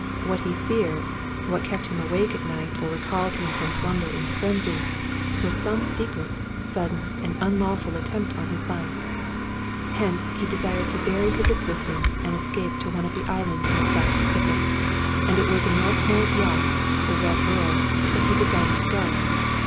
What he feared, what kept him awake at night or recalled him from slumber into frenzy, was some secret, sudden, and unlawful attempt upon his life. Hence, he desired to bury his existence and escape to one of the islands in the South Pacific, and it was in Northmour's yacht, the " Red Earl," that he designed to go.